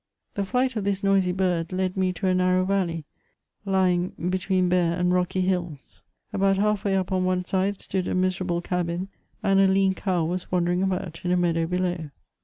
The flight of this noisy bird led me to a narrow valley, lying between bare and rocky hills. About half way up on one side stood a miserable cabin, and a lean cow was wandering about in a meadow below.